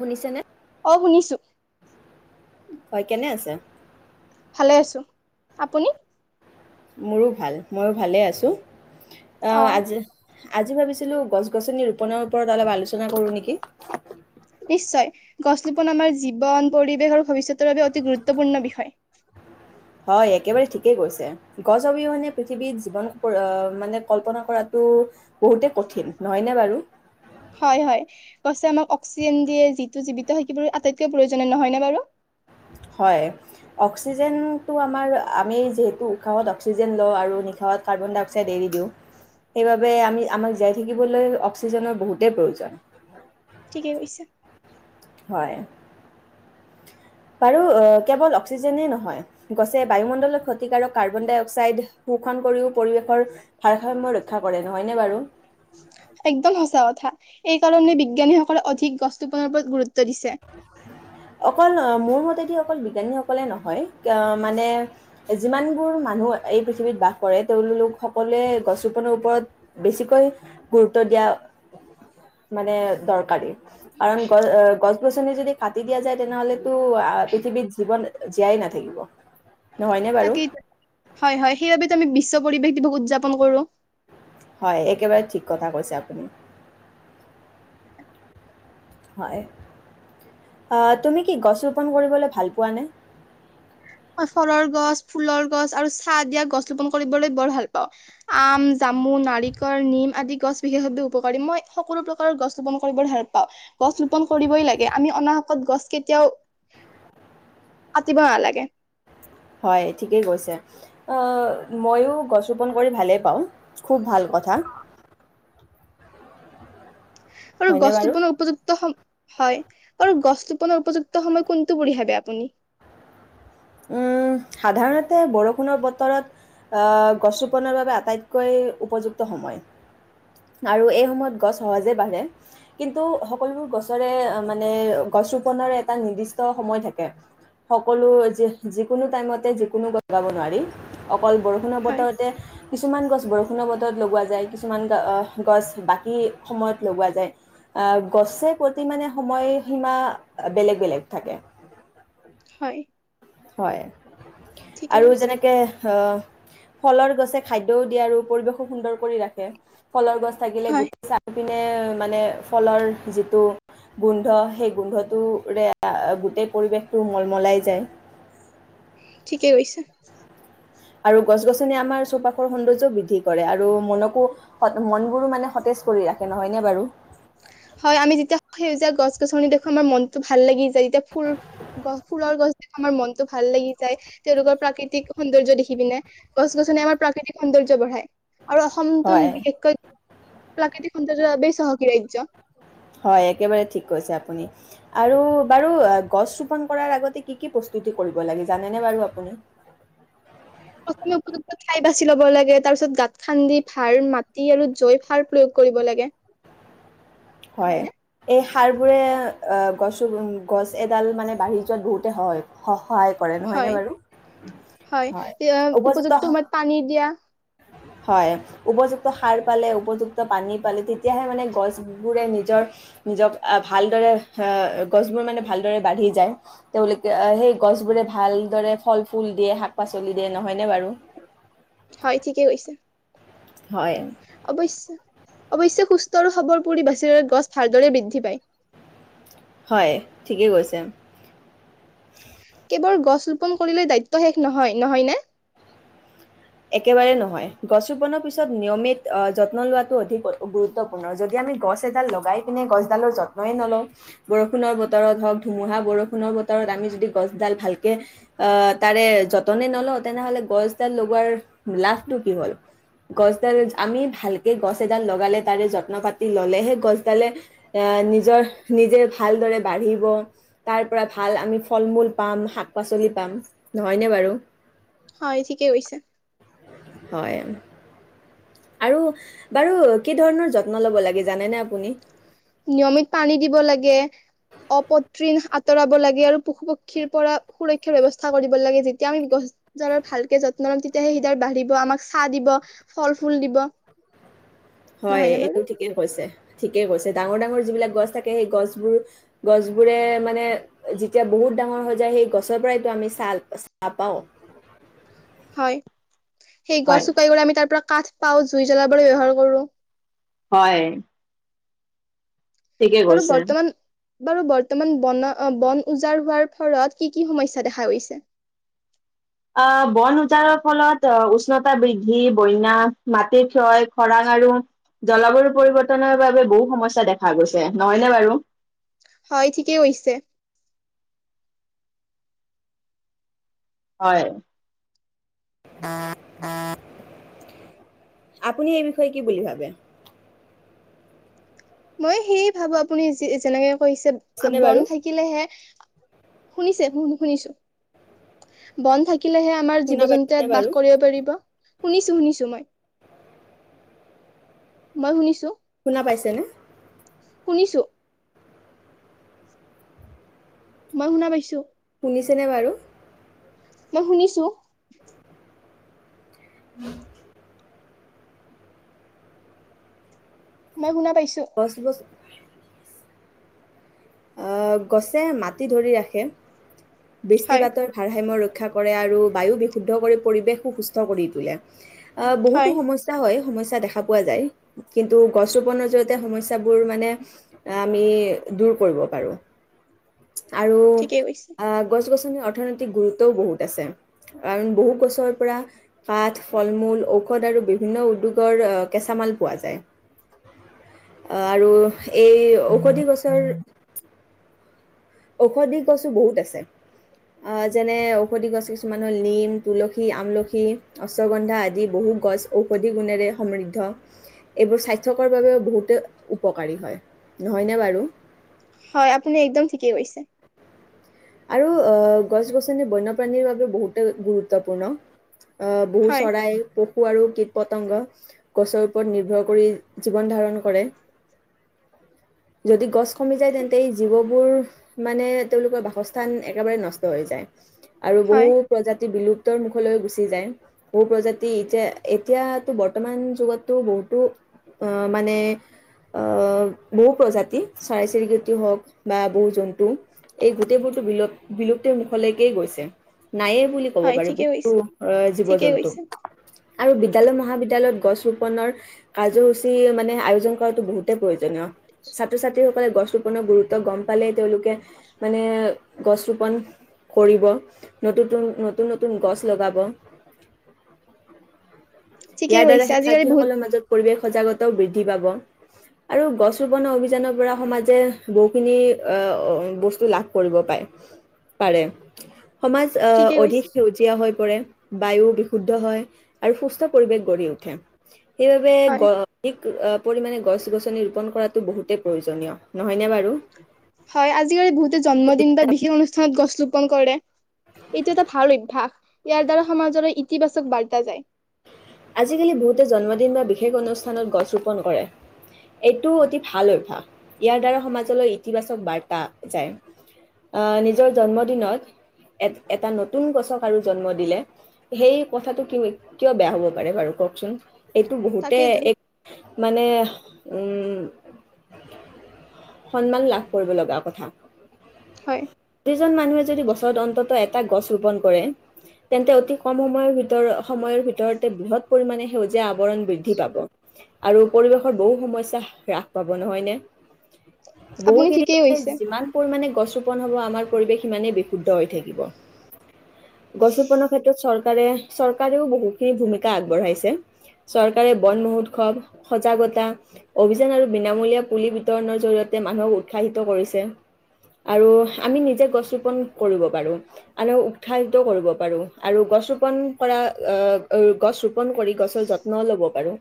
শুনিছেনে? অ শুনিছো। হয় কেনে আছে? ভালে আছো আপুনি? মোৰো ভাল মইয়ো ভালে আছোঁ। অ অহ আজি আজি ভাবিছিলো, গছ-গছনি ৰোপণৰ ওপৰত অলপ আলোচনা কৰো নেকি! নিশ্চয়। গছ ৰোপন আমাৰ জীৱন, পৰিৱেশ আৰু ভৱিষ্যতৰ বাবে অতি গুৰুত্বপূৰ্ণ বিষয়। হয় একেবাৰে ঠিকেই কৈছে। গছ অবিহনে পৃথিৱীত জীৱন মানে কল্পনা কৰাটো বহুতে কঠিন নহয়নে বাৰু? হয় হয়। গছে আমাক অক্সিজেন দিয়ে, যিটো জীৱিত থাকিবলৈ আটাইতকৈ প্ৰয়োজনীয় নহয় নে বাৰু? হয়। অক্সিজেনটো আমাৰ আমি যিহেতু উশাহত অক্সিজেন লওঁ আৰু নিশাহত কাৰ্বন ডাই অক্সাইড এৰি দিওঁ। সেইবাবে আমি-আমাক জীয়াই থাকিবলৈ অক্সিজেনৰ বহুতেই প্ৰয়োজন। ঠিকেই কৈছে। হয়। বাৰু, আ কেৱল অক্সিজেনেই নহয়, গছে বায়ুমণ্ডলত ক্ষতিকাৰক কাৰ্বন ডাই অক্সাইড শোষণ কৰিও পৰিৱেশৰ ভাৰসাম্য ৰক্ষা কৰে নহয়নে বাৰু? একদম সঁচা কথা। এইকাৰণে বিজ্ঞানীসকলে অধিক গছ টোপনৰ ওপৰত গুৰুত [inaudible] অকল, মোৰ মতেদি অকল বিজ্ঞানীসকলে নহয়। মানে যিমানবোৰ মানুহ এই পৃথিৱীত বাস কৰে, তেওঁলোক সকলোৱে গছ ৰোপণৰ ওপৰত বেছিকৈ গুৰুত্ব দিয়া, মানে দৰকাৰী। কাৰণ [unintelligible] যদি কাটি দিয়া যায়, তেনেহ'লেতো পৃথিৱীত জীৱন জীয়াই নাথাকিব। নহয়নে বাৰু তাকেই, হয় হয়। সেইবাবেতো আমি বিশ্ব পৰিৱেশ দিৱস উদযাপন কৰো। হয় একেবাৰে ঠিক কথা কৈছে আপুনি। হয়। তুমি কি গছ ৰোপণ কৰিবলৈ ভাল পোৱানে? মই ফলৰ গছ, ফুলৰ গছ আৰু চাহ দিয়া গছ ৰোপণ কৰিবলৈ বৰ ভাল পাওঁ। আম, জামু, নাৰিকল, নিম আদি গছ বিশেষভাৱে উপকাৰী। মই সকলো প্ৰকাৰৰ গছ ৰোপণ কৰি বৰ ভাল পাওঁ। গছ ৰোপণ কৰিবই লাগে, আমি অনাহকত গছ কেতিয়াও কাটিব নালাগে। হয় ঠিকেই কৈছে। মইয়ো গছ ৰোপণ কৰি ভালেই পাওঁ। খুব ভাল থা আৰু গছ হয়নে বাৰু? ৰোপণৰ উপযুক্ত সম হয়, আৰু গছ ৰোপণৰ উপযুক্ত সময় কোনটো বুলি ভাবে আপুনি? উম। সাধাৰণতে বৰষুণৰ বতৰত, আহ গছ ৰোপণৰ বাবে আটাইতকৈ উপযুক্ত সময়। আৰু এই সময়ত গছ সহজে বাঢ়ে। কিন্তু সকলোবোৰ গছৰে মানে গছ ৰোপণৰে এটা নিৰ্দিষ্ট সময় থাকে। সকলো যি যিকোনো টাইমতে যিকোনো লগাব নোৱাৰি। অকল বৰষুণৰ হয়, বতৰতে কিছুমান গছ বৰষুণৰ বতৰত লগোৱা যায়, কিছুমান গছ বাকী সময়ত লগোৱা যায়। গছে প্ৰতি মানে সময়সীমা বেলেগ বেলেগ থাকে। হয়। হয়। ঠিকেই আৰু কৈছা। যেনেকে ফলৰ গছে খাদ্যও দিয়ে আৰু পৰিৱেশো সুন্দৰ কৰি ৰাখে। ফলৰ গছ থাকিলে হয়, গোটেই [unintelligible] তে মানে ফলৰ যিটো গোন্ধ, সেই গোন্ধটোৰে গোটেই পৰিৱেশটো মলমলাই যায়। ঠিকেই কৈছা। আৰু গছ-গছনিয়ে আমাৰ চৌপাশৰ সৌন্দৰ্যও বৃদ্ধি কৰে। আৰু মনকো-মনবোৰো মানে সতেজ কৰি ৰাখে নহয়নে বাৰু? হয় আমি যেতিয়া সেউজীয়া গছ-গছনি দেখো, আমাৰ মনতো ভাল লাগি যায়। এতিয়া ফুল গছ ফুলৰ গছ দেখো আমাৰ মনতো ভাল লাগি যায়। তেওঁলোকৰ প্ৰাকৃতিক সৌন্দৰ্য দেখি পিনে, গছ-গছনিয়ে আমাৰ প্ৰাকৃতিক সৌন্দৰ্য বঢ়ায়। আৰু অসমতোন হয় বিশেষকৈ প্ৰাকৃতিক সৌন্দৰ্য বাবেই চহকী ৰাজ্য। হয় আৰু একেবাৰে ঠিক কৈছে আপুনি আৰু বাৰু গছৰোপন কৰাৰ আগতে কি কি বস্তু দি কৰিব লাগে জানেনে বাৰু আপুনি? প্ৰথমে উপযুক্ত ঠাই বাচি ল'ব লাগে তাৰ পিছত গাঁত খান্দি ভাল মাটি আৰু জৈ সাৰ প্ৰয়োগ কৰিব লাগে। হয় নহয় নে এই, সাৰবোৰে গছো গছ এডাল মানে বাঢ়ি যোৱাত বহুতে সহায় স, হয় হয় উপযুক্ত সময়ত পানী দিয়া। হয় উপযুক্ত সাৰ পালে উপযুক্ত পানী পালে তেতিয়াহে মানে গছ, বোৰে নিজৰ নিজক ভালদৰে গছবোৰ মানে ভালদৰে বাঢ়ি যায় তেওঁলোকে সেই গছবোৰে ভালদৰে ফল ফুল দিয়ে শাক পাচলি দিয়ে নহয়নে বাৰু। হয় ঠিকে কৈছে হয় অৱশ্যে। অৱশ্যে সুস্থ আৰু সবৰপৰি বাছিৰে গছ ভালদৰে বৃদ্ধি পায়। হয় ঠিকেই কৈছে। গছ ৰোপণ কৰিলে দায়িত্ব শেষ নহয় নহয়নে। একেবাৰে নহয় গছ ৰোপণৰ পিছত নিয়মিত যত্ন লোৱাাটো অধিক গুৰুত্বপূৰ্ণ যদি আমি গছ এডাল লগাই পিনে গছডালৰ যত্নই নলওঁ বৰষুণৰ বতৰত হওঁক ধুমুহা বৰষুণৰ বতৰত আমি যদি গছডাল ভালকে তাৰে যতনেই নলওঁ তেনেহ'লে গছডাল লগোৱাৰ, লাভটো কি হ'ল গছডাল আমি ভালকে গছ এডাল লগালে তাৰে যত্ন পাতি ললে সেই গছডালে এ নিজৰ নিজে ভালদৰে বাঢ়িব তাৰ পৰা ভাল আমি ফল মূল পাম শাক পাচলি পাম নহয়নে বাৰু? হয় ঠিকেই কৈছে। হয়। আৰু বাৰু কি ধৰণৰ যত্ন ল'ব লাগে জানেনে আপুনি? নিয়মিত পানী দিব লাগে অপত্ৰিণ আঁতৰাব লাগে আৰু পশু পক্ষীৰ পৰা সুৰক্ষাৰ ব্যৱস্থা কৰিব লাগে যেতিয়া আমি গছ ডাল ভালকে যত্ন লম তেতিয়াহে সেইডাল বাঢ়িব আমাক চাহ দিব ফল ফুল দিব। হয় নহয় নে বাৰু? এইটো ঠিকে কৈছে, ঠিকে কৈছে, ডাঙৰ ডাঙৰ যিবিলাক গছ থাকে সেই গছবোৰ গছবোৰে মানে যেতিয়া বহুত ডাঙৰ হৈ যায় সেই গছৰ পৰাইটো আমি চাল চাহ পাওঁ। হয় সেই গছ হয়, শুকাই গলে আমি তাৰ পৰা কাঠ, পাও জুই জ্বলাব ব্যৱহাৰ কৰো। হয়। ঠিকে বাৰু কৈছে, বৰ্তমান বাৰু বৰ্তমান ব বন উজাৰ হোৱাৰ ফলত কি কি সমস্যা দেখা গৈছে। আহ বন উজাৰৰ ফলত আহ উষ্ণতা বৃদ্ধি বন্যা মাটিৰ ক্ষয় খৰাং আৰু জলবায়ু পৰিৱৰ্তনৰ বাবে বহু সমস্যা দেখা গৈছে নহয়নে বাৰু? হয় ঠিকেই হৈছে। হয়, আপুনি এই বিষয়ে কি বুলি ভাবে? মই সেয়ে ভাবো আপুনি যি যেনেকে, হৈছে শুনিছেনে বন বাৰু? থাকিলেহে, শুনিছে শুনিছো বন্ধ থাকি, থাকিলেহে আমাৰ জীৱ শুনা যো জন্তুয়ে পাইছেনে ইয়াত বাস বাৰু? কৰিব পাৰিব শুনিছো শুনিছো মই, মই শুনিছো, শুনা পাইছেনে? শুনিছো। মই শুনা পাইছো, শুনিছেনে বাৰু? মই শুনিছো। উম। মই শুনা, পাইছো বছ বছ উ [unintelligible] গছে মাটি ধৰি ৰাখে হয় বৃষ্টিপাতৰ ভাৰসাম্য ৰক্ষা ৰক্ষা কৰে আৰু বায়ু বিশুদ্ধ কৰি পৰিবেশো সুস্থ কৰি তোলে। অ বহুতো হয় সমস্যা হয় সমস্যা। দেখা পোৱা যায় কিন্তু গছ ৰোপনৰ জৰিয়তে সমস্যাবোৰ মানে আমি দুৰ্ব কৰিব পাৰোঁ। আৰু ঠিকেই কৈছে গছ -গছ অৰ্থনৈতিক গুৰুত্বও বহুত আছে। কাৰণ বহু বছৰৰ পৰা কাঠ ফল মূল ঔষধ আৰু বিভিন্ন উদ্যোগৰ আহ কেঁচা মাল পোৱা যায়। অ'হ আৰু এই ঔষধি গছৰ ঔষধি গছো বহুত আছে আহ যেনে ঔষধি গছ কিছুমান হল নিম, তুলসী, আমলখি, অশ্বগন্ধা আদি বহু গছ ঔষধি গুণেৰে সমৃদ্ধ এইবোৰ স্বাস্থ্যকৰ বাবেও বহুতে উপকাৰী হয়। নহয়নে বাৰু? হয়, আপুনি একদম ঠিকেই কৈছে। আৰু অ ' গছ- গছনি বন্যপ্ৰাণীৰ বাবে বহুতে গুৰুত্বপূৰ্ণ। অ বহু হয় চৰাই পশু আৰু কীট-পতংগ গছৰ ওপৰত নিৰ্ভৰ কৰি জীৱন ধাৰণ কৰে যদি গছ কমি যায় তেন্তে এই জীৱবোৰ মানে তেওঁলোকৰ বাসস্থান। স্থান একেবাৰে নষ্ট হৈ যায়। আৰু হয় বহুত প্ৰজাতি বিলুপ উতৰ মুখলৈ গুচি যায়। বহু প্ৰজাতি এতিয়া এতিয়াতো বৰ্তমান যুগতো বহুতো মানে অ' বহু প্ৰজাতি চৰাই চিৰিকটি হওক বা বহু জন্তু এই গোটেইবোৰ বিলুপ্তিৰ মুখলৈকেই গৈছে। নায়ে বুলি ক'ব হয় পাৰি। ঠিকে বহুতো কৈছে জীৱ ঠিকে জন্তু কৈছে আৰু বিদ্যালয় মহাবিদ্যালয়ত গছ ৰোপনৰ কাৰ্যসূচী মানে আয়োজন কৰাতো বহুতেই প্ৰয়োজনীয় ছাত্ৰ ছাত্ৰীসকলে গছ ৰোপনৰ গুৰুত্ব গম পালেই তেওঁলোকে মানে গছ ৰোপন কৰিব ন নতুন নতুন গছ লগাব। ঠিকে ইয়াৰ দ্বাৰা কৈছে আজিকালি বহুত শিক্ষাৰ্থীসকলৰ মাজত পৰিৱেশ সজাগতাও বৃদ্ধি পাব, আৰু গছ ৰোপনৰ অভিযানৰ পৰা সমাজে বহুখিনি বস্তু লাভ কৰিব পায়। পাৰে। সমাজ ঠিকে অধিক কৈছে সেউজীয়া হৈ পৰে। বায়ু বিশুদ্ধ হয় আৰু সুস্থ পৰিৱেশ গঢ়ি উঠে। সেইবাবে হয় গছ পৰিমাণে গছ -গছনি ৰোপন কৰাতো বহুতেই প্ৰয়োজনীয় নহয়নে বাৰু? হয় আজিকালি বহুতে জন্মদিন বা বিশেষ অনুষ্ঠান। অনুষ্ঠানত গছ ৰোপন কৰে। এইটো এটা ভাল অভ্যাস ইয়াৰ দ্বাৰা সমাজৰ ইতিবাচক বাৰ্তা যায়। আজিকালি বহুতে জন্মদিন বা বিশেষ অনুষ্ঠানত গছ ৰোপন কৰে। এইটো অতি ভাল অভ্যাস। ইয়াৰ দ্বাৰা সমাজলৈ ইতিবাচক বাৰ্তা যায়। অ' নিজৰ জন্মদিনত এ এটা নতুন গছক আৰু জন্ম দিলে সেই কথাটো কিয় বেয়া হ'ব। বাৰে বাৰু কওকচোন? এইটো বহুতে তাকেইতো এক। মানে উম সন্মান লাভ কৰিব লগা কথা হয় যিজন মানুহে যদি বছৰত অন্তত এবাৰ এটা গছ ৰোপন কৰে, তেন্তে অতি কম সময়ৰ ভিতৰত- সময়ৰ ভিতৰত বৃহৎ পৰিমানে সেউজীয়া আৱৰণ বৃদ্ধি পাব আৰু পৰিৱেশৰ বহু সমস্যা হ্ৰাস পাব, নহয়নে? আপুনি বহুখিনি ঠিকেই কৈছে যিমান পৰিমানে গছ ৰোপ পন হ'ব, আমাৰ পৰিৱেশ সিমানেই বিশুদ্ধ হৈ থাকিব। গছ ৰোপণৰ ক্ষেত্ৰত চৰ ৰকাৰে- চৰকাৰেও বহুত খিনি ভূমিকা আগবঢ়াইছে। চৰকাৰে বন মহোৎসৱ, সজাগতা, অভিযান আৰু বিনামূলীয়া পুলি বিতৰণৰ জৰিয়তে মানুহক উৎসাহিত কৰিছে। আৰু আমি নিজে গছ ৰোপন কৰিব পাৰোঁ। আমি উৎসাহিত কৰিব পাৰোঁ। আৰু গছ ৰোপন কৰা অ'- অ' গছ ৰোপন কৰি গছৰ যত্নও ল'ব পাৰোঁ।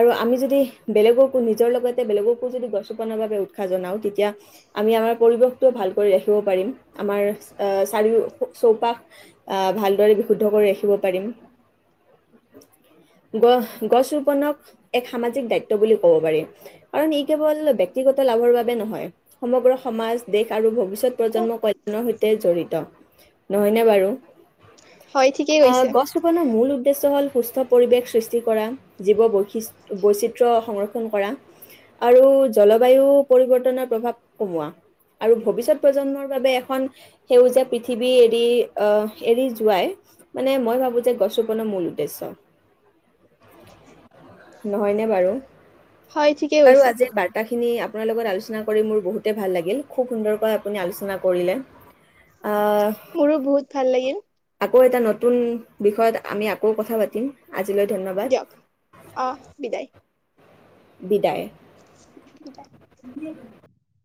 আৰু আমি যদি বেলেগকো- নিজৰ লগতে বেলেগকো যদি গছ ৰোপনৰ বাবে উৎসাহ জনাওঁ, তেতিয়া আমি আমাৰ পৰিৱেশটোও ভাল কৰি ৰাখিব পাৰিম। আমাৰ অ'- চাৰিও- চৌপাশ অ'- ভালদৰে বিশুদ্ধ কৰি ৰাখিব পাৰিম। গ- গছ ৰোপনক এক সামাজিক দায়িত্ব বুলি কব পাৰি, কাৰণ ই কেৱল ব্যক্তিগত লাভৰ বাবে নহয়, সমগ্ৰ সমাজ দেশ আৰু ভৱিষ্যত প্ৰজন্মৰ কল্যাণৰ সৈতে জড়িত। নহয়নে বাৰু? হয় ঠিকেই কৈছে অ' গছ ৰোপনৰ মূল চহল সুস্থ পৰিৱেশ সৃষ্টি কৰা, জীৱ বৈশি- বৈচিত্ৰ্য সংৰক্ষণ কৰা আৰু জলবায়ু পৰিৱৰ্তনৰ প্ৰভাৱ কমোৱা। আৰু ভৱিষ্যত প্ৰজন্মৰ বাবে এখন সেউজীয়া পৃথিৱী এৰি অ'- এৰি যোৱাই, মানে মই ভাবো যে গছ মানে মূল উদ্দেশ্য, নহয়নে বাৰু? হয়, ঠিকেই কৈছে। খিনি আপোনাৰ লগত আলোচনা কৰি মোৰ বহুতে ভাল লাগিল। খুব সুন্দৰকৈ আপুনি আলোচনা কৰিলে। আহ, মোৰো বহুত ভাল লাগিল। তুন বিষয়ত আমি আকৌ কথা পাতিম। আজিলৈ ধন্যবাদ। দিয়ক। অ' বিদায়। বিদায়। বিদায় [unintelligible]